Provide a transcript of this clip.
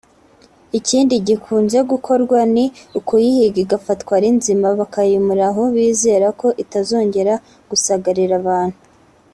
Ikindi gikunze gukorwa ni ukuyihiga igafatwa ari nzima bakayimura aho bizera ko itazongera gusagarira abantu